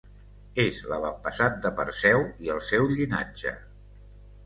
És l'avantpassat de Perseu i el seu llinatge.